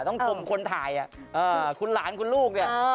คมคนถ่ายคุณหลานคุณลูกเนี่ย